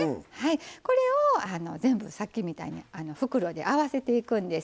これを、全部さっきみたいに袋で合わせていくんです。